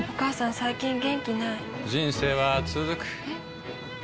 最近元気ない人生はつづくえ？